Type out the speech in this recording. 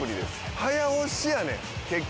早押しやねん結局。